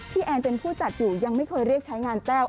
แอนเป็นผู้จัดอยู่ยังไม่เคยเรียกใช้งานแต้ว